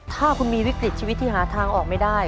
ถ้าคุณมีวิกฤตชีวิตที่หาทางออกไม่ได้